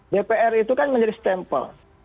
dpr itu kan menjadi stempel